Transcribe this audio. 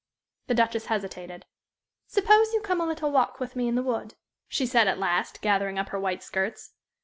The Duchess hesitated. "Suppose you come a little walk with me in the wood," she said, at last, gathering up her white skirts.